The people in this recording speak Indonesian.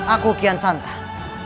aku kian sampan